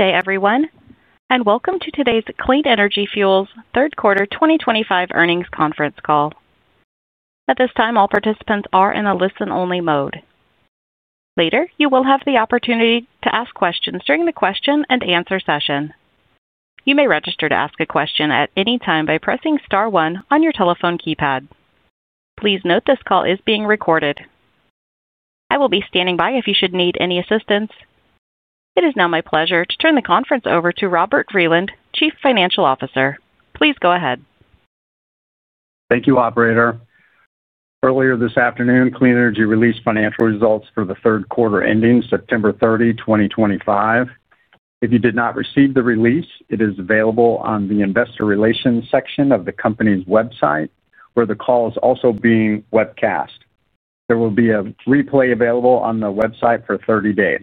Good day, everyone, and welcome to today's Clean Energy Fuels Third Quarter 2025 Earnings Conference Call. At this time, all participants are in a listen-only mode. Later, you will have the opportunity to ask questions during the question and answer session. You may register to ask a question at any time by pressing star one on your telephone keypad. Please note this call is being recorded. I will be standing by if you should need any assistance. It is now my pleasure to turn the conference over to Robert Vreeland, Chief Financial Officer. Please go ahead. Thank you, Operator. Earlier this afternoon, Clean Energy released financial results for the third quarter ending September 30, 2025. If you did not receive the release, it is available on the investor relations section of the company's website, where the call is also being webcast. There will be a replay available on the website for 30 days.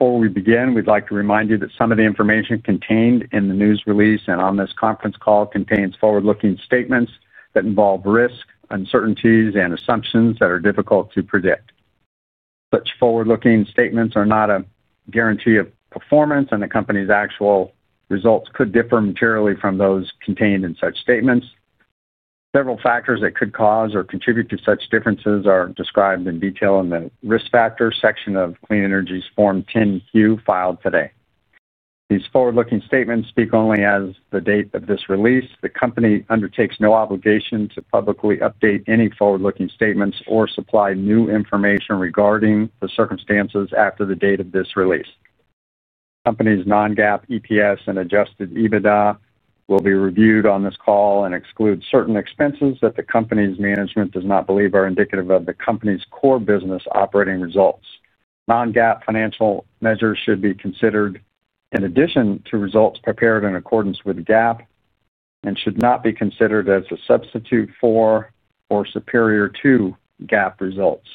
Before we begin, we'd like to remind you that some of the information contained in the news release and on this conference call contains forward-looking statements that involve risk, uncertainties, and assumptions that are difficult to predict. Such forward-looking statements are not a guarantee of performance, and the company's actual results could differ materially from those contained in such statements. Several factors that could cause or contribute to such differences are described in detail in the risk factor section of Clean Energy's Form 10-Q filed today. These forward-looking statements speak only as of the date of this release. The company undertakes no obligation to publicly update any forward-looking statements or supply new information regarding the circumstances after the date of this release. The company's non-GAAP EPS and Adjusted EBITDA will be reviewed on this call and exclude certain expenses that the company's management does not believe are indicative of the company's core business operating results. Non-GAAP financial measures should be considered in addition to results prepared in accordance with GAAP and should not be considered as a substitute for or superior to GAAP results.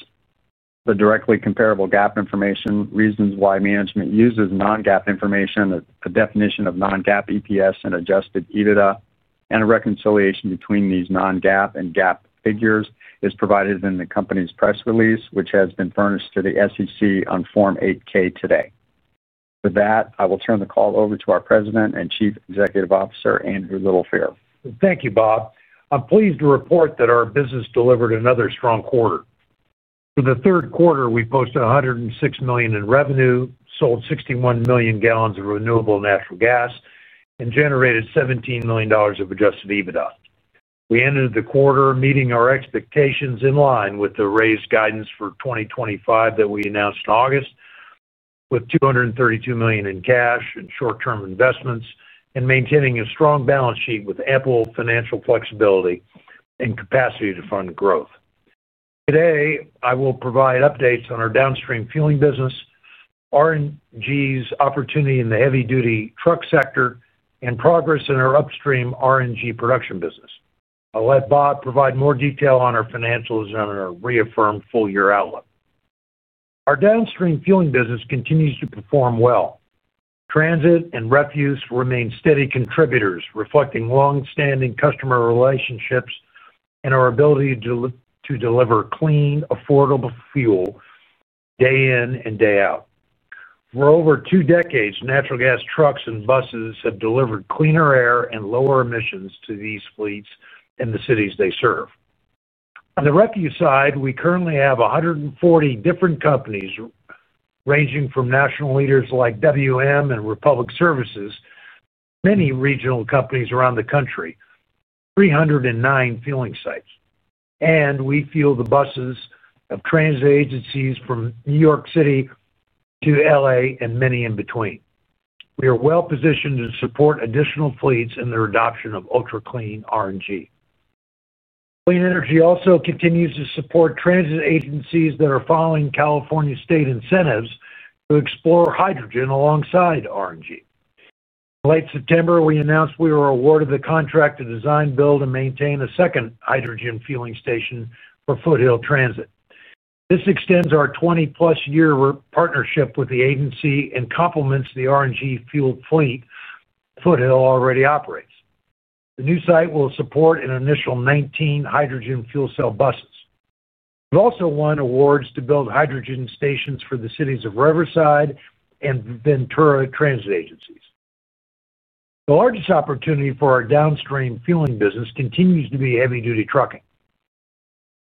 The directly comparable GAAP information, reasons why management uses non-GAAP information, a definition of non-GAAP EPS and Adjusted EBITDA, and a reconciliation between these non-GAAP and GAAP figures is provided in the company's press release, which has been furnished to the SEC on Form 8-K today. With that, I will turn the call over to our President and Chief Executive Officer, Andrew Littlefair. Thank you, Bob. I'm pleased to report that our business delivered another strong quarter. For the third quarter, we posted $106 million in revenue, sold 61 million gallons of renewable natural gas, and generated $17 million of Adjusted EBITDA. We ended the quarter meeting our expectations in line with the raised guidance for 2025 that we announced in August. With $232 million in cash and short-term investments and maintaining a strong balance sheet with ample financial flexibility and capacity to fund growth. Today, I will provide updates on our downstream fueling business, RNG's opportunity in the heavy-duty truck sector, and progress in our upstream RNG production business. I'll let Bob provide more detail on our financials and our reaffirmed full-year outlook. Our downstream fueling business continues to perform well. Transit and refuse remain steady contributors, reflecting longstanding customer relationships and our ability to deliver clean, affordable fuel day in and day out. For over two decades, natural gas trucks and buses have delivered cleaner air and lower emissions to these fleets and the cities they serve. On the refuse side, we currently have 140 different companies ranging from national leaders like WM and Republic Services to many regional companies around the country, 309 fueling sites. And we fuel the buses of transit agencies from New York City to LA and many in between. We are well positioned to support additional fleets in their adoption of ultra-clean RNG. Clean Energy also continues to support transit agencies that are following California state incentives to explore hydrogen alongside RNG. In late September, we announced we were awarded the contract to design, build, and maintain a second hydrogen fueling station for Foothill Transit. This extends our 20+ year partnership with the agency and complements the RNG fuel fleet Foothill already operates. The new site will support an initial 19 hydrogen fuel cell buses. We've also won awards to build hydrogen stations for the cities of Riverside and Ventura transit agencies. The largest opportunity for our downstream fueling business continues to be heavy-duty trucking.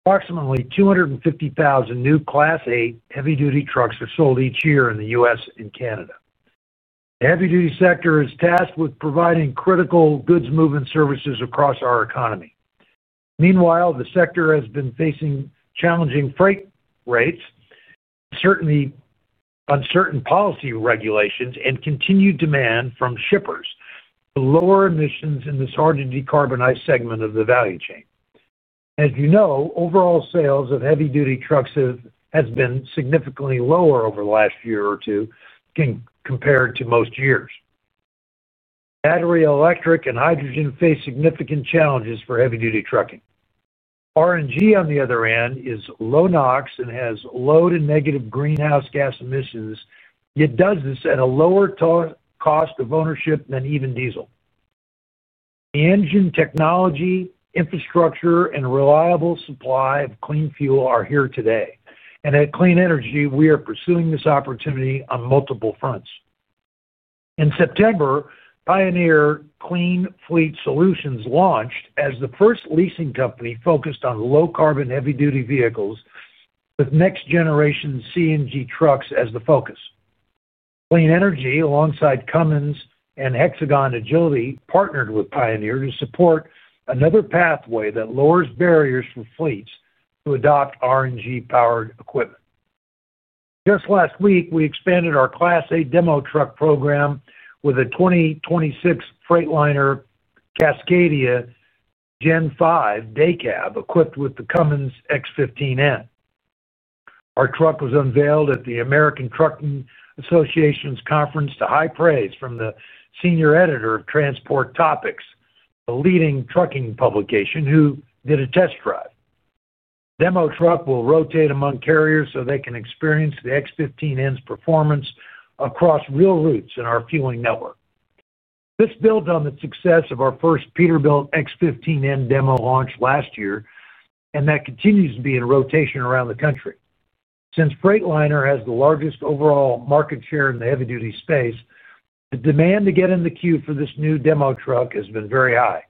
Approximately 250,000 new Class 8 heavy-duty trucks are sold each year in the U.S. and Canada. The heavy-duty sector is tasked with providing critical goods movement services across our economy. Meanwhile, the sector has been facing challenging freight rates, uncertain policy regulations, and continued demand from shippers to lower emissions in this hard-to-decarbonize segment of the value chain. As you know, overall sales of heavy-duty trucks have been significantly lower over the last year or two compared to most years. Battery electric and hydrogen face significant challenges for heavy-duty trucking. RNG, on the other hand, is low NOx and has low to negative greenhouse gas emissions, yet does this at a lower cost of ownership than even diesel. The engine technology, infrastructure, and reliable supply of clean fuel are here today. And at Clean Energy, we are pursuing this opportunity on multiple fronts. In September. Pioneer Clean Fleet Solutions launched as the first leasing company focused on low-carbon heavy-duty vehicles with next-generation CNG trucks as the focus. Clean Energy, alongside Cummins and Hexagon Agility, partnered with Pioneer to support another pathway that lowers barriers for fleets to adopt RNG-powered equipment. Just last week, we expanded our Class 8 demo truck program with a 2026 Freightliner Cascadia Gen 5 day cab equipped with the Cummins X15N. Our truck was unveiled at the American Trucking Associations' conference to high praise from the senior editor of Transport Topics, a leading trucking publication, who did a test drive. The demo truck will rotate among carriers so they can experience the X15N's performance across real routes in our fueling network. This builds on the success of our first Peterbilt X15N demo launch last year, and that continues to be in rotation around the country. Since Freightliner has the largest overall market share in the heavy-duty space, the demand to get in the queue for this new demo truck has been very high.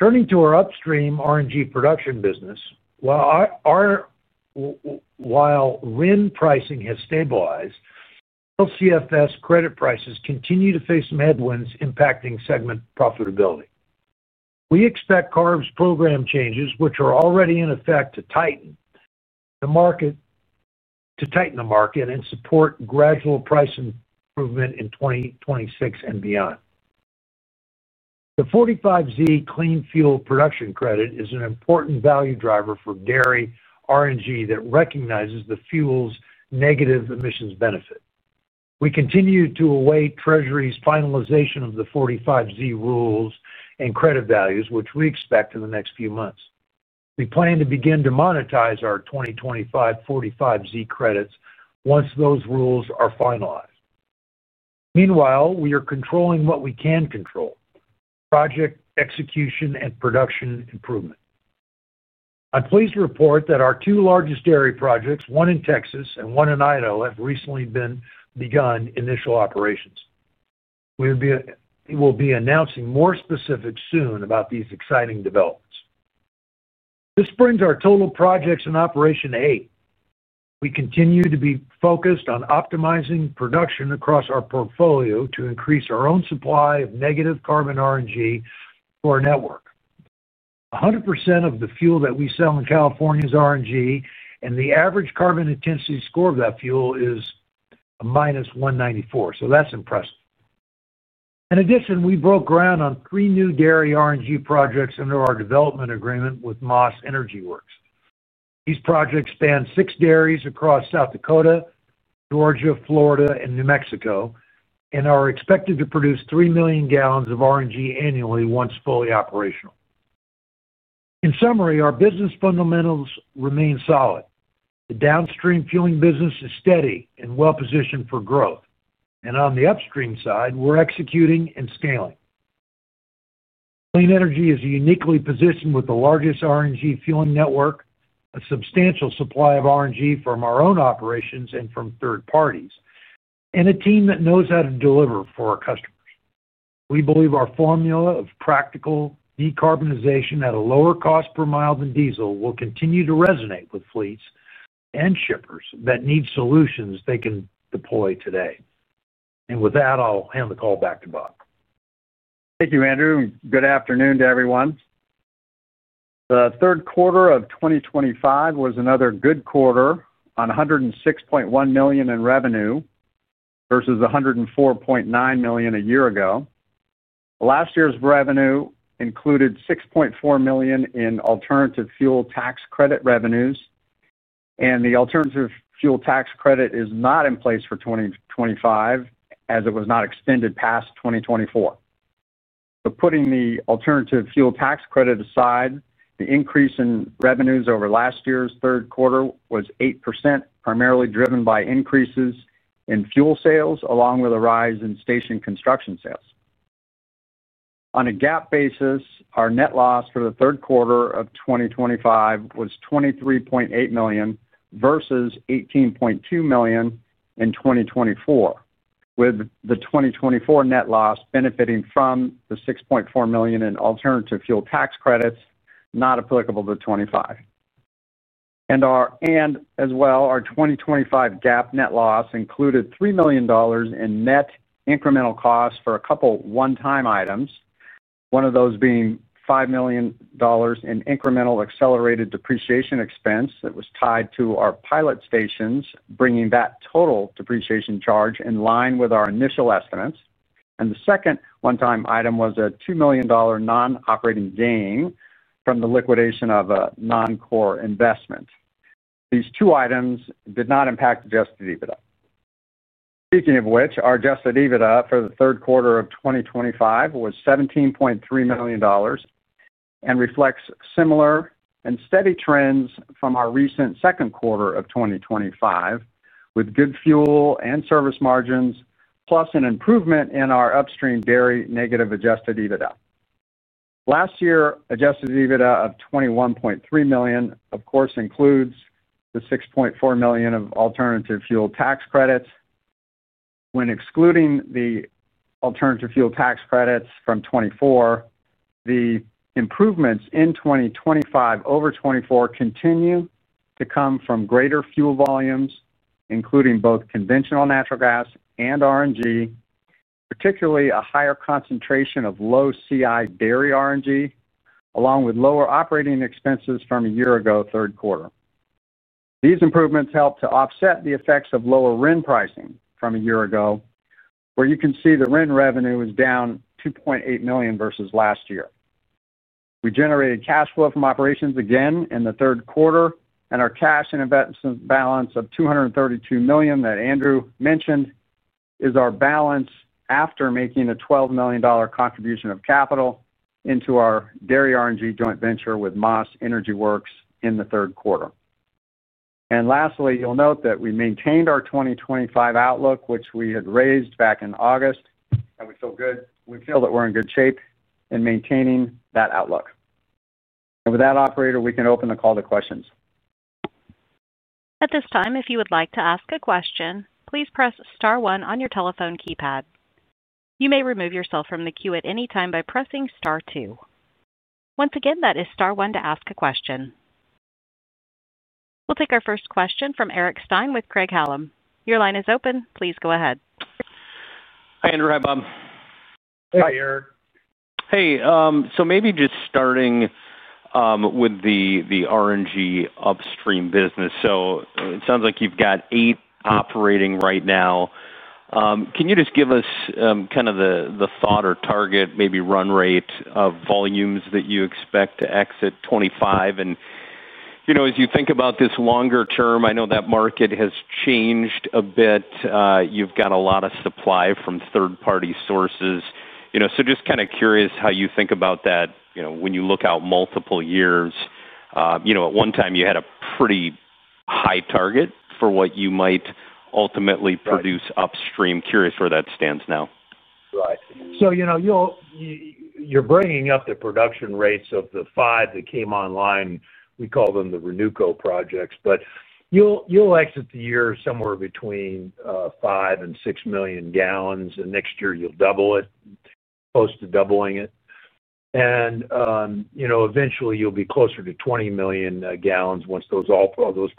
Turning to our upstream RNG production business, while RIN pricing has stabilized, LCFS credit prices continue to face some headwinds impacting segment profitability. We expect CARB's program changes, which are already in effect, to tighten the market and support gradual price improvement in 2026 and beyond. The 45Z Clean Fuel Production Credit is an important value driver for dairy RNG that recognizes the fuel's negative emissions benefit. We continue to await Treasury's finalization of the 45Z rules and credit values, which we expect in the next few months. We plan to begin to monetize our 2025 45Z credits once those rules are finalized. Meanwhile, we are controlling what we can control: project execution and production improvement. I'm pleased to report that our two largest dairy projects, one in Texas and one in Idaho, have recently begun initial operations. We will be announcing more specifics soon about these exciting developments. This brings our total projects in operation to eight. We continue to be focused on optimizing production across our portfolio to increase our own supply of negative carbon RNG for our network. 100% of the fuel that we sell in California is RNG, and the average carbon intensity score of that fuel is minus 194. So that's impressive. In addition, we broke ground on three new dairy RNG projects under our development agreement with Moss Energy Works. These projects span six dairies across South Dakota, Georgia, Florida, and New Mexico, and are expected to produce three million gallons of RNG annually once fully operational. In summary, our business fundamentals remain solid. The downstream fueling business is steady and well-positioned for growth. And on the upstream side, we're executing and scaling. Clean Energy is uniquely positioned with the largest RNG fueling network, a substantial supply of RNG from our own operations and from third parties, and a team that knows how to deliver for our customers. We believe our formula of practical decarbonization at a lower cost per mile than diesel will continue to resonate with fleets and shippers that need solutions they can deploy today. And with that, I'll hand the call back to Bob. Thank you, Andrew. And good afternoon to everyone. The third quarter of 2025 was another good quarter on $106.1 million in revenue. Versus $104.9 million a year ago. Last year's revenue included $6.4 million in alternative fuel tax credit revenues, and the alternative fuel tax credit is not in place for 2025 as it was not extended past 2024. So putting the alternative fuel tax credit aside, the increase in revenues over last year's third quarter was 8%, primarily driven by increases in fuel sales along with a rise in station construction sales. On a GAAP basis, our net loss for the third quarter of 2025 was $23.8 million versus $18.2 million in 2024, with the 2024 net loss benefiting from the $6.4 million in alternative fuel tax credits not applicable to 2025. And as well, our 2025 GAAP net loss included $3 million in net incremental costs for a couple of one-time items, one of those being $5 million in incremental accelerated depreciation expense that was tied to our pilot stations, bringing that total depreciation charge in line with our initial estimates. And the second one-time item was a $2 million non-operating gain from the liquidation of a non-core investment. These two items did not impact Adjusted EBITDA. Speaking of which, our Adjusted EBITDA for the third quarter of 2025 was $17.3 million. And reflects similar and steady trends from our recent second quarter of 2025, with good fuel and service margins, plus an improvement in our upstream dairy negative Adjusted EBITDA. Last year, Adjusted EBITDA of $21.3 million, of course, includes the $6.4 million of alternative fuel tax credits. When excluding the alternative fuel tax credits from 2024, the improvements in 2025 over 2024 continue to come from greater fuel volumes, including both conventional natural gas and RNG. Particularly a higher concentration of low-CI dairy RNG, along with lower operating expenses from a year ago third quarter. These improvements helped to offset the effects of lower RIN pricing from a year ago, where you can see the RIN revenue is down $2.8 million versus last year. We generated cash flow from operations again in the third quarter, and our cash and investment balance of $232 million that Andrew mentioned is our balance after making a $12 million contribution of capital into our dairy RNG joint venture with Moss Energy Works in the third quarter. And lastly, you'll note that we maintained our 2025 outlook, which we had raised back in August, and we feel good. We feel that we're in good shape in maintaining that outlook. And with that, operator, we can open the call to questions. At this time, if you would like to ask a question, please press star one your telephone keypad. You may remove yourself from the queue at any time by pressing star two. Once again, that is star one to ask a question. We'll take our first question from Eric Stine with Craig-Hallum. Your line is open. Please go ahead. Hi, Robert. Hi, Eric. Hey. So maybe just starting with the RNG upstream business. So it sounds like you've got eight operating right now. Can you just give us kind of the thought or target, maybe run rate of volumes that you expect to exit 2025? And as you think about this longer term, I know that market has changed a bit. You've got a lot of supply from third-party sources. So just kind of curious how you think about that when you look out multiple years. At one time, you had a pretty high target for what you might ultimately produce upstream. Curious where that stands now. Right. So, you're bringing up the production rates of the five that came online. We call them the Renuco projects. But you'll exit the year somewhere between five and six million gallons. And next year, you'll double it. Close to doubling it. And eventually, you'll be closer to 20 million gallons once those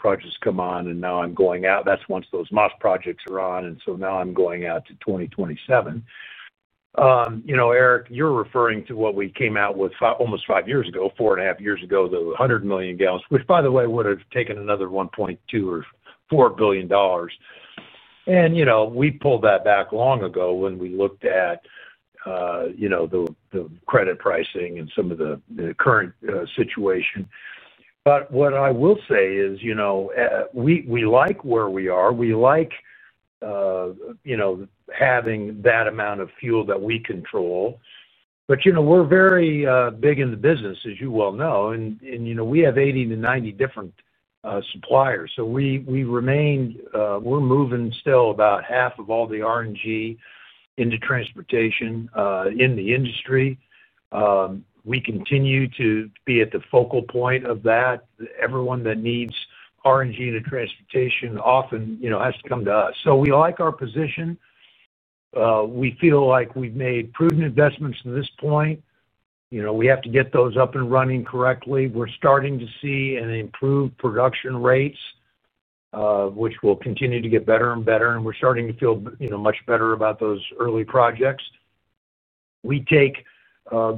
projects come on. And now I'm going out. That's once those Moss projects are on. And so now I'm going out to 2027. Eric, you're referring to what we came out with almost five years ago, four and a half years ago, the 100 million gallons, which, by the way, would have taken another $1.2 or $4 billion. And we pulled that back long ago when we looked at the credit pricing and some of the current situation. But what I will say is we like where we are. We like having that amount of fuel that we control. But we're very big in the business, as you well know. And we have 80-90 different suppliers. So we're moving still about half of all the RNG into transportation in the industry. We continue to be at the focal point of that. Everyone that needs RNG into transportation often has to come to us. So we like our position. We feel like we've made prudent investments to this point. We have to get those up and running correctly. We're starting to see an improved production rates, which will continue to get better and better. And we're starting to feel much better about those early projects. We take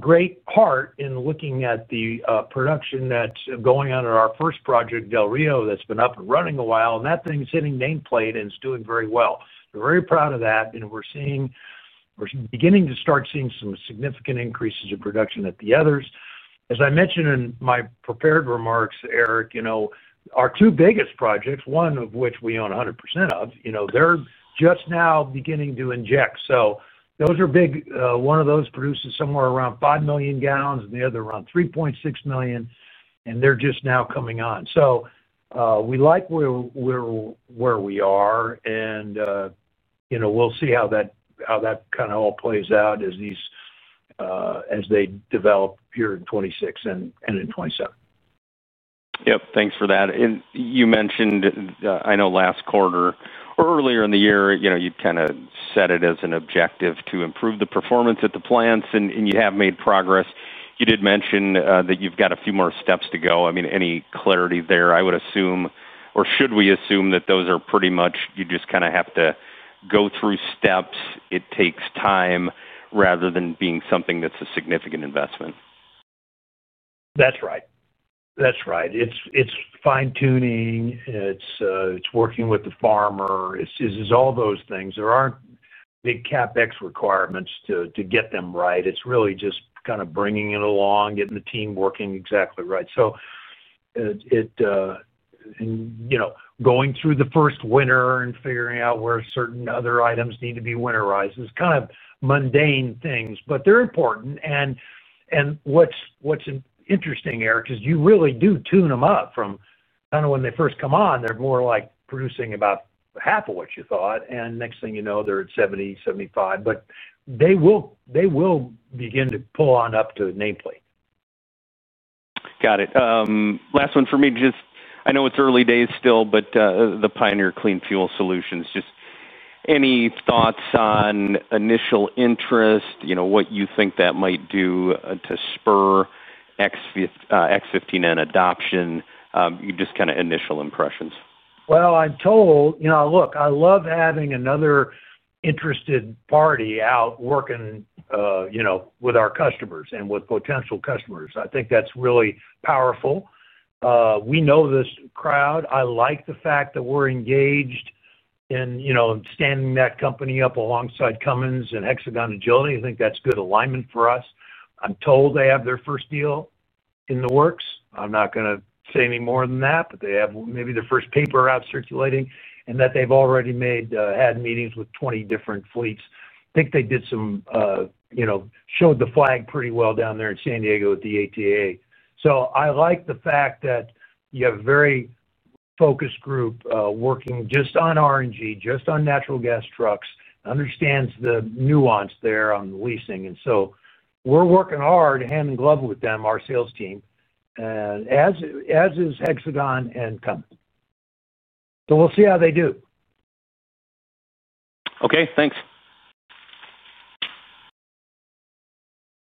great part in looking at the production that's going on in our first project, Del Rio, that's been up and running a while. And that thing's hitting nameplate and it's doing very well. We're very proud of that. And we're beginning to start seeing some significant increases in production at the others. As I mentioned in my prepared remarks, Eric, our two biggest projects, one of which we own 100% of, they're just now beginning to inject. So one of those produces somewhere around five million gallons and the other around 3.6 million. And they're just now coming on. So we like where we are. And we'll see how that kind of all plays out as they develop here in 2026 and in 2027. Yep. Thanks for that. And you mentioned, I know, last quarter or earlier in the year, you kind of set it as an objective to improve the performance at the plants. And you have made progress. You did mention that you've got a few more steps to go. I mean, any clarity there, I would assume, or should we assume that those are pretty much you just kind of have to go through steps? It takes time rather than being something that's a significant investment. That's right. That's right. It's fine-tuning. It's working with the farmer. It's all those things. There aren't big CapEx requirements to get them right. It's really just kind of bringing it along, getting the team working exactly right. So. Going through the first winter and figuring out where certain other items need to be winterized is kind of mundane things, but they're important. And what's interesting, Eric, is you really do tune them up. From kind of when they first come on, they're more like producing about half of what you thought. And next thing you know, they're at 70, 75. But they will begin to pull on up to nameplate. Got it. Last one for me. I know it's early days still, but the Pioneer Clean Fleet Solutions, just any thoughts on initial interest, what you think that might do to spur X15N adoption, just kind of initial impressions. Well, I'm told, look, I love having another interested party out working with our customers and with potential customers. I think that's really powerful. We know this crowd. I like the fact that we're engaged in standing that company up alongside Cummins and Hexagon Agility. I think that's good alignment for us. I'm told they have their first deal in the works. I'm not going to say any more than that, but they have maybe their first paper out circulating and that they've already had meetings with 20 different fleets. I think they did some. Showed the flag pretty well down there in San Diego at the ATA. So I like the fact that you have a very focused group working just on RNG, just on natural gas trucks, understands the nuance there on leasing. And so we're working hard, hand in glove with them, our sales team, as is Hexagon and Cummins. So we'll see how they do. Okay. Thanks.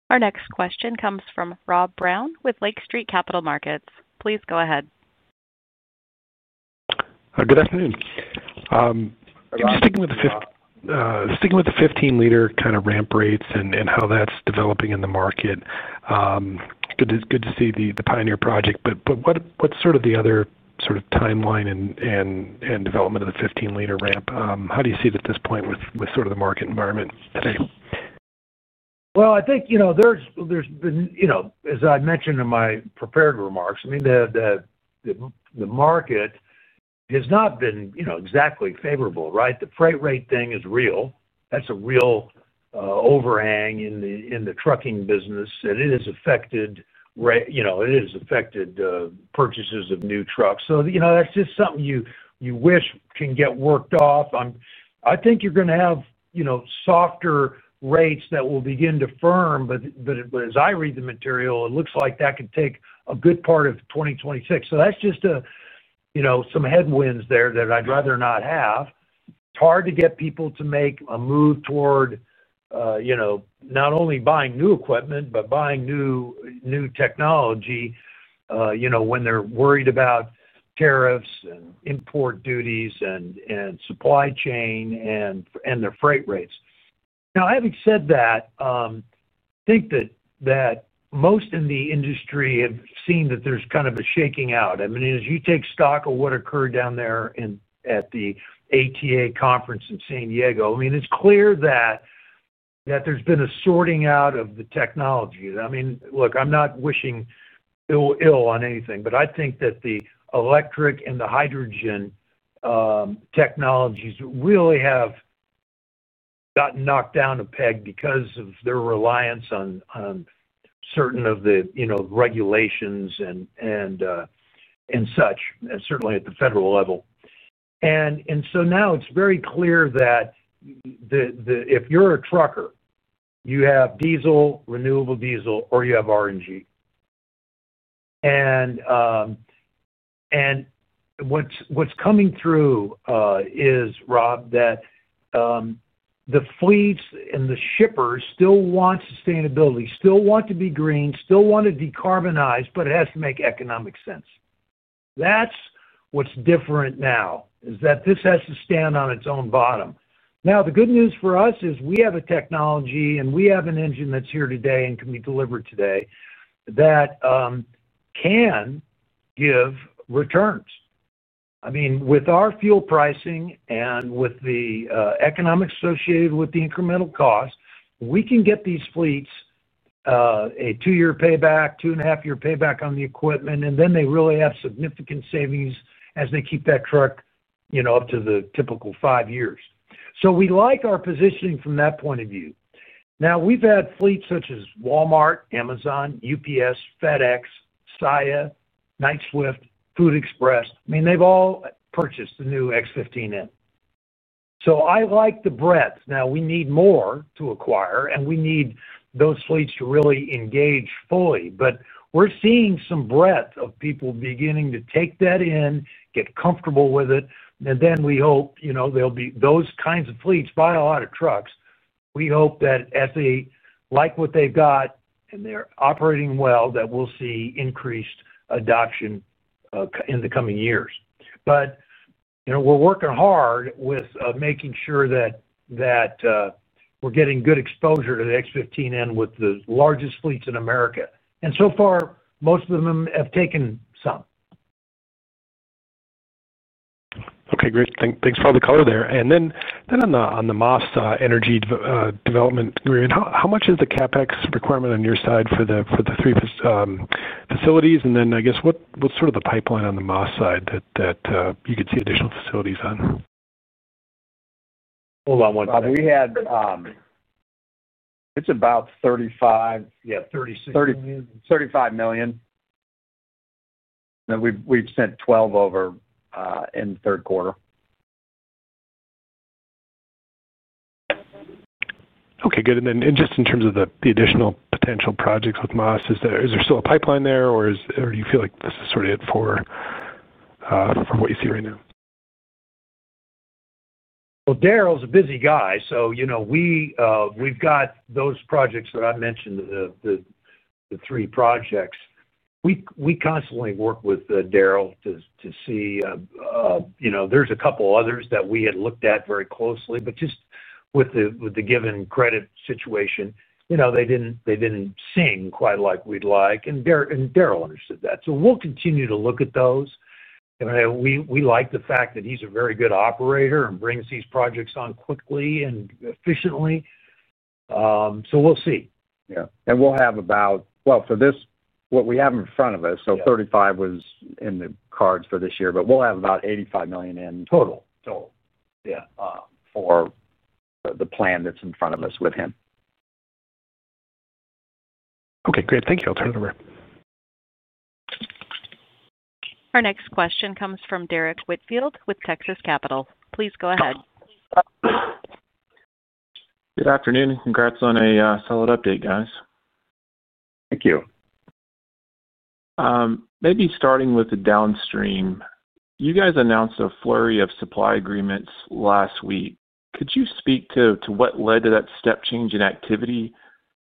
Our next question comes from Rob Brown with Lake Street Capital Markets. Please go ahead. Good afternoon. Speaking of the 15-liter kind of ramp rates and how that's developing in the market. Good to see the Pioneer project. But what's sort of the other sort of timeline and development of the 15-liter ramp? How do you see it at this point with sort of the market environment today? Well, I think there's been, as I mentioned in my prepared remarks, the market has not been exactly favorable, right? The freight rate thing is real. That's a real overhang in the trucking business. And it has affected purchases of new trucks. So that's just something you wish can get worked off. I think you're going to have softer rates that will begin to firm. But as I read the material, it looks like that could take a good part of 2026. So that's just some headwinds there that I'd rather not have. It's hard to get people to make a move toward not only buying new equipment, but buying new technology when they're worried about tariffs and import duties and supply chain and their freight rates. Now, having said that, I think that most in the industry have seen that there's kind of a shaking out. I mean, as you take stock of what occurred down there at the ATA conference in San Diego, I mean, it's clear that there's been a sorting out of the technology. I mean, look, I'm not wishing ill on anything, but I think that the electric and the hydrogen technologies really have gotten knocked down a peg because of their reliance on certain of the regulations and such, certainly at the federal level. And so now it's very clear that if you're a trucker, you have diesel, renewable diesel, or you have RNG. And what's coming through is, Rob, that the fleets and the shippers still want sustainability, still want to be green, still want to decarbonize, but it has to make economic sense. That's what's different now, is that this has to stand on its own bottom. Now, the good news for us is we have a technology and we have an engine that's here today and can be delivered today that can give returns. I mean, with our fuel pricing and with the economics associated with the incremental cost, we can get these fleets a two-year payback, two and a half-year payback on the equipment, and then they really have significant savings as they keep that truck up to the typical five years. So we like our positioning from that point of view. Now, we've had fleets such as Walmart, Amazon, UPS, FedEx, SAIA, Knight-Swift, Food Express. I mean, they've all purchased the new X15N. So I like the breadth. Now, we need more to acquire, and we need those fleets to really engage fully. But we're seeing some breadth of people beginning to take that in, get comfortable with it. And then we hope there'll be those kinds of fleets buy a lot of trucks. We hope that as they like what they've got and they're operating well, that we'll see increased adoption in the coming years. But we're working hard with making sure that we're getting good exposure to the X15N with the largest fleets in America. And so far, most of them have taken some. Okay. Great. Thanks for all the color there. And then on the Moss Energy development, how much is the CapEx requirement on your side for the three facilities? And then I guess what's sort of the pipeline on the Moss side that you could see additional facilities on? Hold on one second. It's about 35. Yeah, 36 million. 35 million. We've sent 12 over. In the third quarter. Okay. Good. And then just in terms of the additional potential projects with Moss, is there still a pipeline there, or do you feel like this is sort of it for what you see right now? Well, Daryl's a busy guy. So we've got those projects that I mentioned, the three projects. We constantly work with Daryl to see. There's a couple others that we had looked at very closely. But just with the given credit situation, they didn't sing quite like we'd like. And Daryl understood that. So we'll continue to look at those. We like the fact that he's a very good operator and brings these projects on quickly and efficiently. So we'll see. Yeah. And we'll have about, well, for this, what we have in front of us, so $35 million was in the cards for this year, but we'll have about $85 million in total. Yeah. For the plan that's in front of us with him. Okay. Great. Thank you. I'll turn it over. Our next question comes from Derrick Whitfield with Texas Capital. Please go ahead. Good afternoon. Congrats on a solid update, guys. Thank you. Maybe starting with the downstream, you guys announced a flurry of supply agreements last week. Could you speak to what led to that step change in activity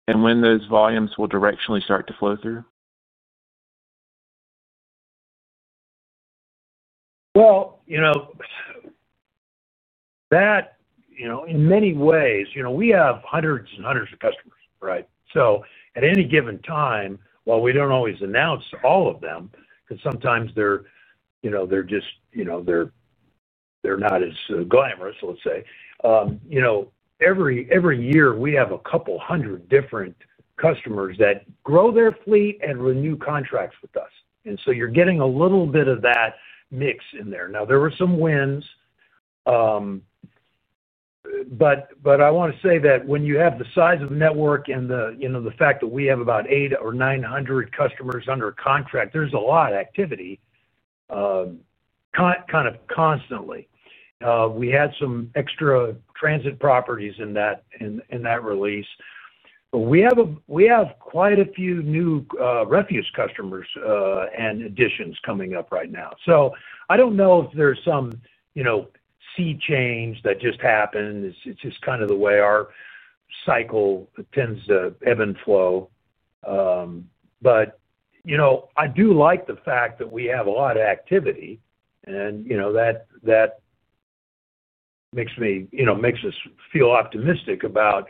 and when those volumes will directionally start to flow through? In many ways, we have hundreds and hundreds of customers, right? So at any given time, while we don't always announce all of them, because sometimes they're just not as glamorous, let's say, every year, we have a couple hundred different customers that grow their fleet and renew contracts with us. And so you're getting a little bit of that mix in there. Now, there were some wins, but I want to say that when you have the size of the network and the fact that we have about 800 or 900 customers under a contract, there's a lot of activity kind of constantly. We had some extra transit properties in that release, but we have quite a few new refuse customers and additions coming up right now. So I don't know if there's some sea change that just happened. It's just kind of the way our cycle tends to ebb and flow, but I do like the fact that we have a lot of activity. And that makes us feel optimistic about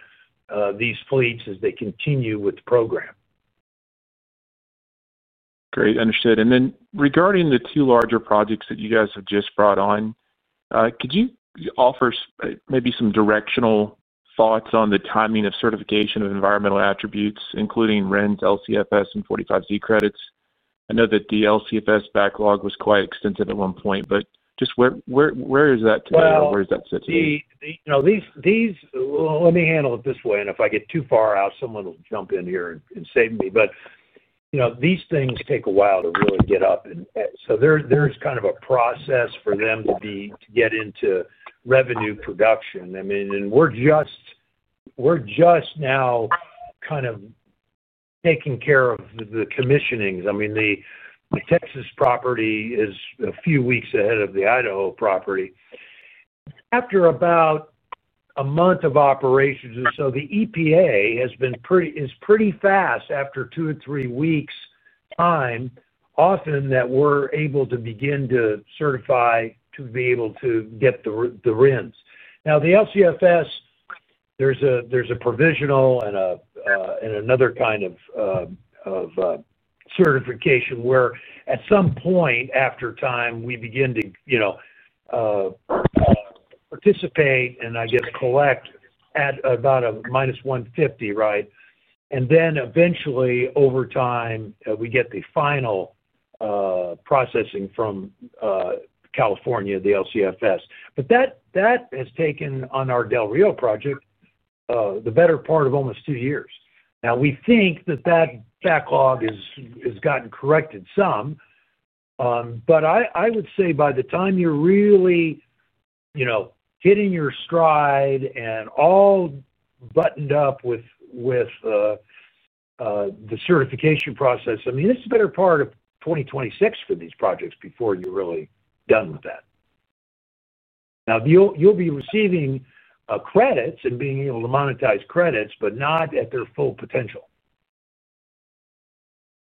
these fleets as they continue with the program. Great. Understood. And then regarding the two larger projects that you guys have just brought on. Could you offer maybe some directional thoughts on the timing of certification of environmental attributes, including RINs, LCFS, and 45Z credits? I know that the LCFS backlog was quite extensive at one point, but just where is that today? Where does that sit today? These, let me handle it this way, and if I get too far out, someone will jump in here and save me. But these things take a while to really get up, and so there's kind of a process for them to get into revenue production. I mean, and we're just now kind of taking care of the commissionings. I mean, the Texas property is a few weeks ahead of the Idaho property. After about a month of operations or so, the EPA has been pretty fast after two or three weeks time often that we're able to begin to certify to be able to get the RINs. Now, the LCFS, there's a provisional and another kind of certification where at some point after time, we begin to participate and I guess collect at about a minus 150, right? And then eventually, over time, we get the final processing from California, the LCFS. But that has taken on our Del Rio project the better part of almost two years. Now, we think that that backlog has gotten corrected some. But I would say by the time you're really hitting your stride and all buttoned up with the certification process, I mean, it's the better part of 2026 for these projects before you're really done with that. Now, you'll be receiving credits and being able to monetize credits, but not at their full potential.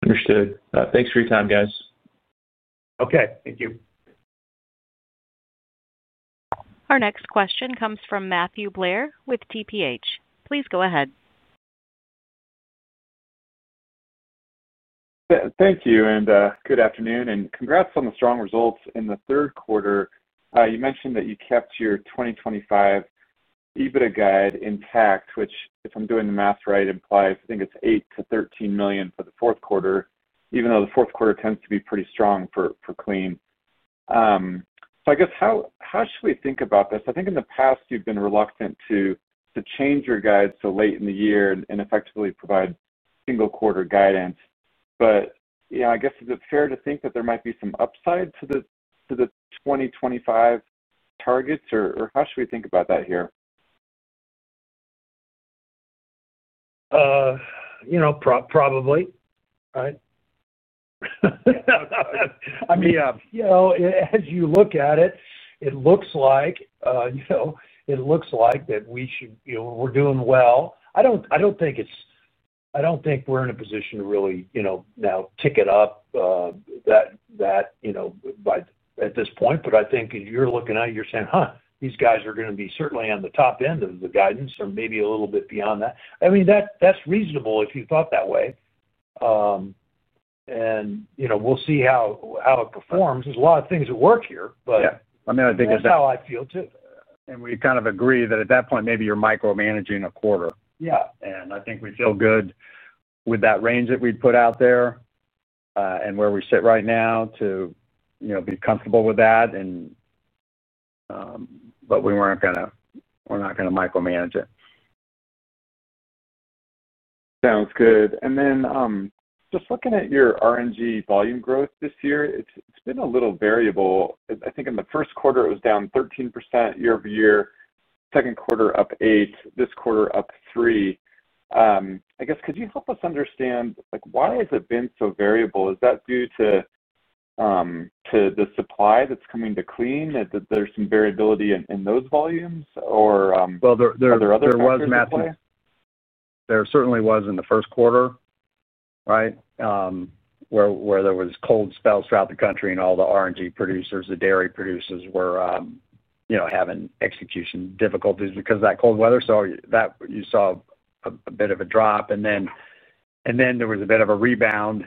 Understood. Thanks for your time, guys. Okay. Thank you. Our next question comes from Matthew Blair with TPH. Please go ahead. Thank you. And good afternoon. And congrats on the strong results in the third quarter. You mentioned that you kept your 2025 EBITDA guide intact, which, if I'm doing the math right, implies, I think it's $8 million-$13 million for the fourth quarter, even though the fourth quarter tends to be pretty strong for Clean. So I guess how should we think about this? I think in the past, you've been reluctant to change your guide so late in the year and effectively provide single-quarter guidance. But I guess, is it fair to think that there might be some upside to the 2025 targets? Or how should we think about that here? Probably. Right? I mean. As you look at it, it looks like. It looks like that we should, we're doing well. I don't think it's—I don't think we're in a position to really now tick it up. That. At this point. But I think as you're looking at it, you're saying, "Huh, these guys are going to be certainly on the top end of the guidance or maybe a little bit beyond that." I mean, that's reasonable if you thought that way. And we'll see how it performs. There's a lot of things that work here, but. Yeah. I mean, I think. That's how I feel too. And we kind of agree that at that point, maybe you're micromanaging a quarter. Yeah. And I think we feel good with that range that we'd put out there. And where we sit right now, too, to be comfortable with that. But we weren't going to, we're not going to micromanage it. Sounds good. And then just looking at your RNG volume growth this year, it's been a little variable. I think in the first quarter, it was down 13% year-over-year. Second quarter, up 8%. This quarter, up 3%. I guess, could you help us understand why has it been so variable? Is that due to the supply that's coming to Clean, that there's some variability in those volumes, or are there other factors? There certainly was in the first quarter, right, where there were cold spells throughout the country and all the RNG producers, the dairy producers were having execution difficulties because of that cold weather. So you saw a bit of a drop. And then there was a bit of a rebound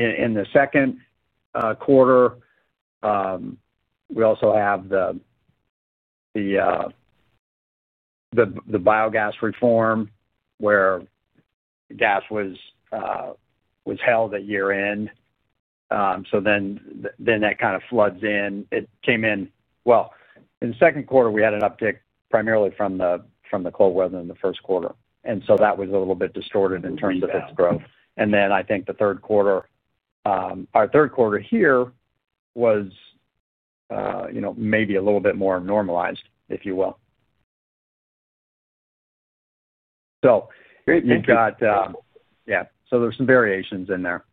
in the second quarter. We also have the biogas reform where gas was held at year-end. So then that kind of floods in. It came in. Well, in the second quarter, we had an uptick primarily from the cold weather in the first quarter. And so that was a little bit distorted in terms of its growth. And then I think the third quarter, our third quarter here was maybe a little bit more normalized, if you will. So you've got, yeah. So there's some variations in there.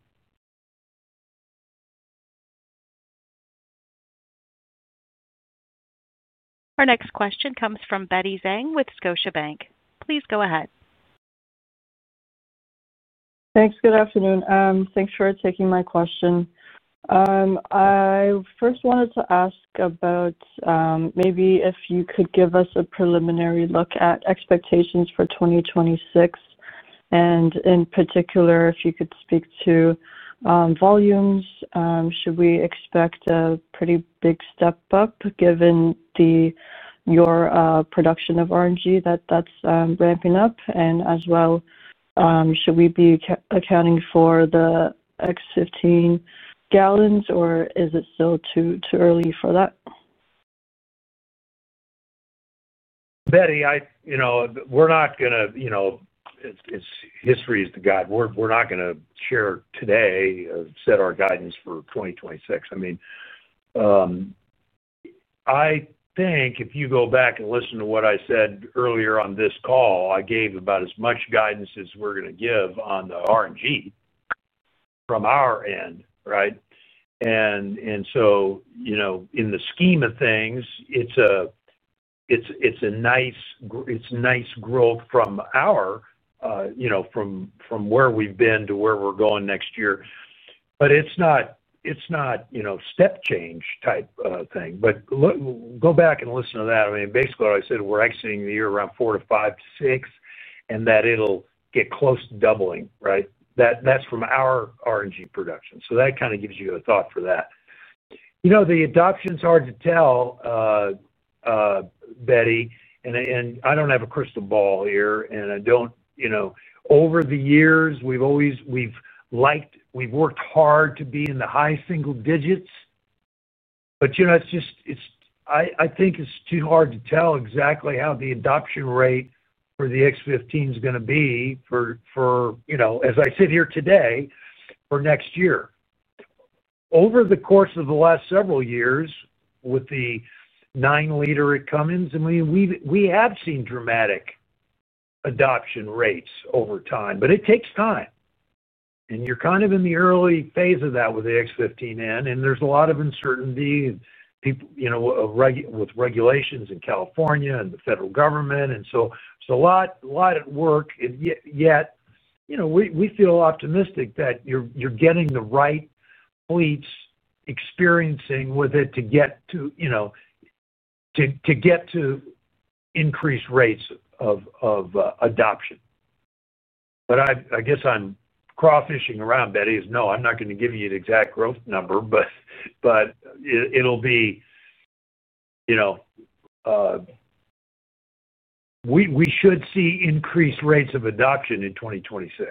Our next question comes from Betty Zhang with Scotiabank. Please go ahead. Thanks. Good afternoon. Thanks for taking my question. I first wanted to ask about. Maybe if you could give us a preliminary look at expectations for 2026. And in particular, if you could speak to. Volumes. Should we expect a pretty big step up given. Your production of RNG that's ramping up? And as well. Should we be accounting for the. X15N gallons, or is it still too early for that? Betty, we're not going to. It's history is the guide. We're not going to share today set our guidance for 2026. I mean. I think if you go back and listen to what I said earlier on this call, I gave about as much guidance as we're going to give on the RNG. From our end, right? And so. In the scheme of things, it's a nice growth from our, from where we've been to where we're going next year. But it's not a step change type thing. But go back and listen to that. I mean, basically, what I said, we're exiting the year around four to five to six, and that it'll get close to doubling, right? That's from our RNG production. So that kind of gives you a thought for that. The adoption is hard to tell, Betty. And I don't have a crystal ball here. And I don't. Over the years, we've worked hard to be in the high-single-digits. But it's just. I think it's too hard to tell exactly how the adoption rate for the X15N is going to be for, as I sit here today, for next year. Over the course of the last several years with the nine-liter at Cummins, I mean, we have seen dramatic adoption rates over time. But it takes time. And you're kind of in the early phase of that with the X15N. And there's a lot of uncertainty with regulations in California and the federal government. And so it's a lot at work. And yet. We feel optimistic that you're getting the right fleets experiencing with it to get to increased rates of adoption. But I guess I'm crawfishing around, Betty. No, I'm not going to give you the exact growth number, but. It'll be. We should see increased rates of adoption in 2026.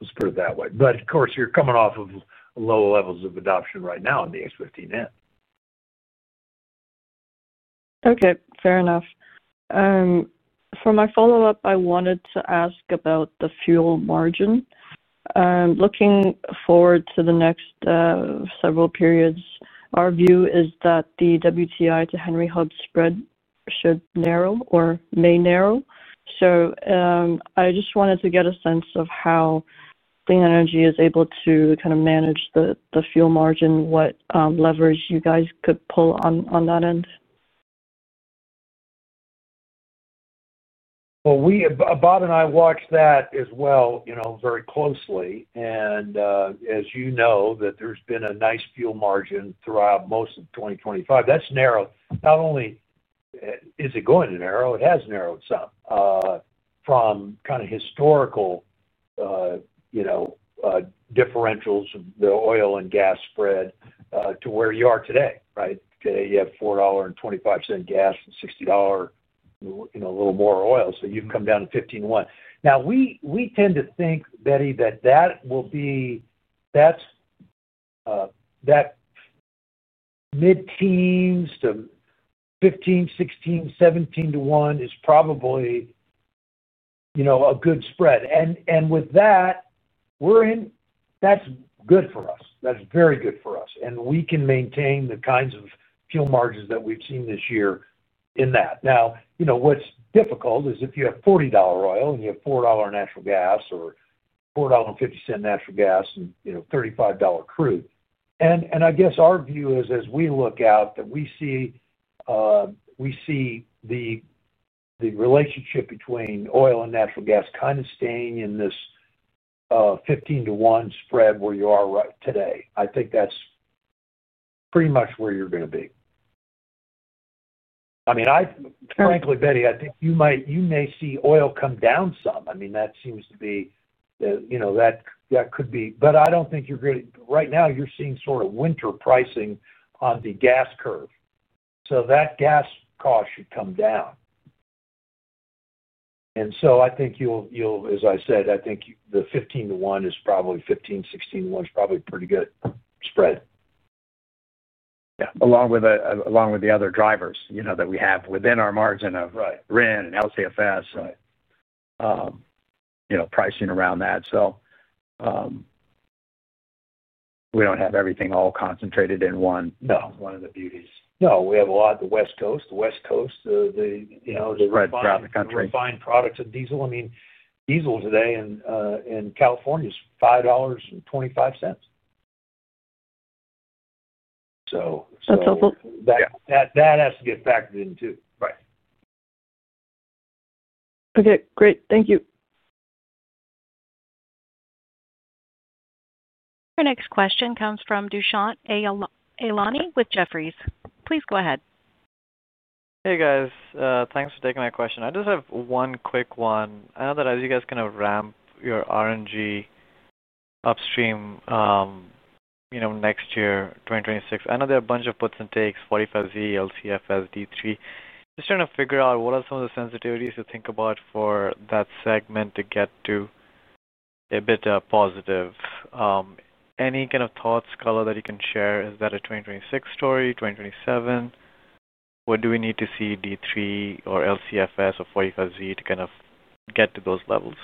Let's put it that way. But of course, you're coming off of low levels of adoption right now in the X15N. Okay. Fair enough. For my follow-up, I wanted to ask about the fuel margin. Looking forward to the next several periods, our view is that the WTI to Henry Hub spread should narrow or may narrow. So I just wanted to get a sense of how Clean Energy is able to kind of manage the fuel margin, what leverage you guys could pull on that end. Bob and I watched that as well very closely. As you know, there's been a nice fuel margin throughout most of 2025. That's narrow. Not only is it going to narrow, it has narrowed some from kind of historical differentials, the oil and gas spread to where you are today, right? Today, you have $4.25 gas and $60 a little more oil. You've come down to 15 to 1. Now, we tend to think, Betty, that that will be, that's mid-teens to 15, 16, 17 to 1 is probably a good spread. With that, we're in, that's good for us. That's very good for us. We can maintain the kinds of fuel margins that we've seen this year in that. Now, what's difficult is if you have $40 oil and you have $4 natural gas or $4.50 natural gas and $35 crude. I guess our view is, as we look out, that we see the relationship between oil and natural gas kind of staying in this 15 to 1 spread where you are right today. I think that's pretty much where you're going to be. I mean, frankly, Betty, I think you may see oil come down some. I mean, that seems to be, that could be. I don't think you're going to, right now, you're seeing sort of winter pricing on the gas curve. That gas cost should come down. I think you'll, as I said, I think the 15 to 1 is probably 15, 16 to 1 is probably a pretty good spread. Yeah. Along with the other drivers that we have within our margin of RNG and LCFS pricing around that. So. We don't have everything all concentrated in one. No. One of the beauties. No. We have a lot of the West Coast. The red spot around the country. Refined products of diesel. I mean, diesel today in California is $5.25. So. That's helpful. That has to get factored in too. Right. Okay. Great. Thank you. Our next question comes from Dushyant Ailani with Jefferies. Please go ahead. Hey, guys. Thanks for taking my question. I just have one quick one. I know that as you guys kind of ramp your RNG upstream next year, 2026, I know there are a bunch of puts and takes, 45Z, LCFS, D3. Just trying to figure out what are some of the sensitivities to think about for that segment to get to a bit positive. Any kind of thoughts, Carlo, that you can share? Is that a 2026 story, 2027? Or do we need to see D3 or LCFS or 45Z to kind of get to those levels?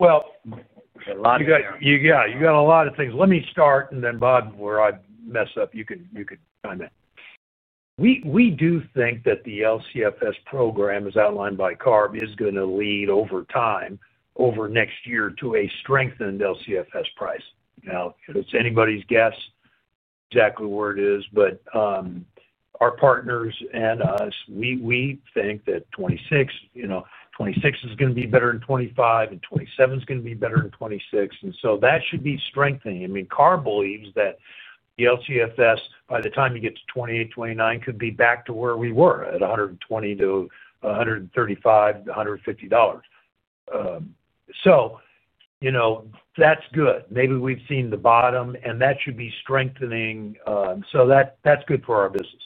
Well. You got a lot of things. Yeah. You got a lot of things. Let me start, and then Bob, where I mess up, you can chime in. We do think that the LCFS program as outlined by CARB is going to lead over time, over next year, to a strengthened LCFS price. It's anybody's guess exactly where it is. But. Our partners and us, we think that 2026 is going to be better in 2025, and 2027 is going to be better in 2026. And so that should be strengthening. I mean, CARB believes that the LCFS, by the time you get to 2028, 2029, could be back to where we were at $120-$135, $150. So. That's good. Maybe we've seen the bottom, and that should be strengthening. So that's good for our business.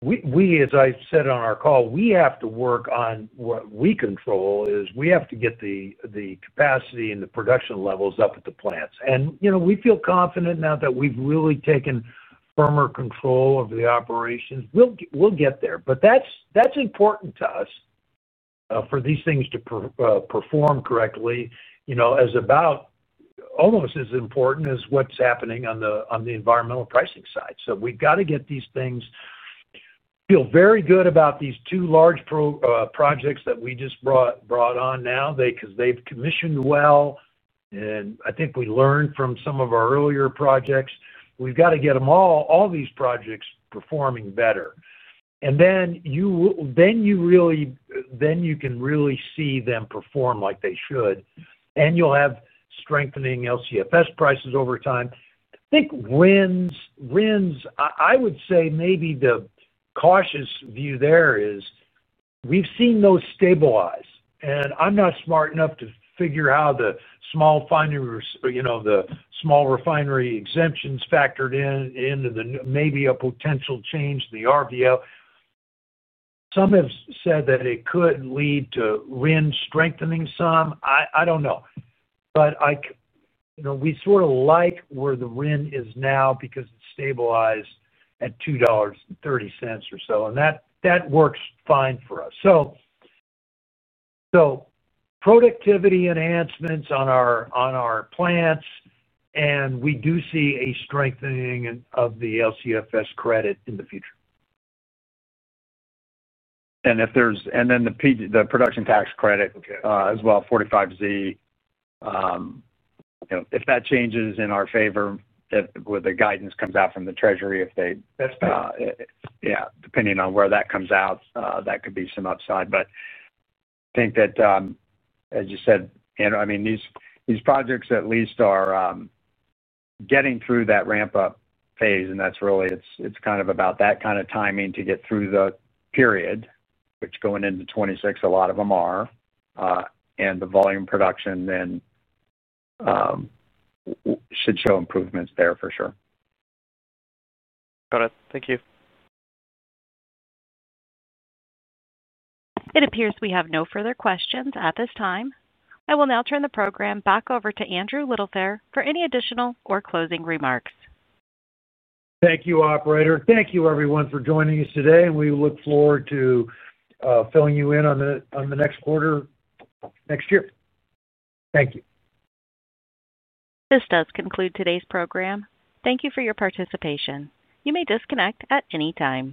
We, as I said on our call, we have to work on what we control. Is we have to get the capacity and the production levels up at the plants. And we feel confident now that we've really taken firmer control of the operations. We'll get there. But that's important to us. For these things to perform correctly. Almost as important as what's happening on the environmental pricing side. So we've got to get these things. Feel very good about these two large projects that we just brought on now because they've commissioned well. And I think we learned from some of our earlier projects. We've got to get all these projects performing better. And then. You really can see them perform like they should. And you'll have strengthening LCFS prices over time. I think RINs, I would say maybe the cautious view there is. We've seen those stabilize. And I'm not smart enough to figure how the small refinery exemptions factored into the maybe a potential change in the RVO. Some have said that it could lead to RIN strengthening some. I don't know. But. We sort of like where the RIN is now because it's stabilized at $2.30 or so. And that works fine for us. So. Productivity enhancements on our plants. And we do see a strengthening of the LCFS credit in the future. And then the production tax credit as well, 45Z. If that changes in our favor. With the guidance comes out from the Treasury if they. That's better. Yeah. Depending on where that comes out, that could be some upside. But I think that. As you said, I mean, these projects at least are getting through that ramp-up phase. And it's kind of about that kind of timing to get through the period, which going into 2026, a lot of them are. And the volume production then should show improvements there for sure. Got it. Thank you. It appears we have no further questions at this time. I will now turn the program back over to Andrew Littlefair for any additional or closing remarks. Thank you, operator. Thank you, everyone, for joining us today. And we look forward to filling you in on the next quarter next year. Thank you. This does conclude today's program. Thank you for your participation. You may disconnect at any time.